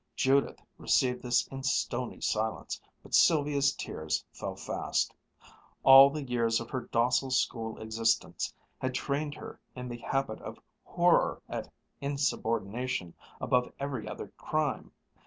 Judith received this in stony silence, but Sylvia's tears fell fast. All the years of her docile school existence had trained her in the habit of horror at insubordination above every other crime.